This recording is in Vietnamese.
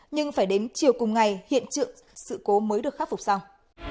nhưng phải đến chiều cùng ngày hiện sự cố mới được khắc phục xong